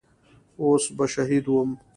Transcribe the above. اوس به شهيد وم.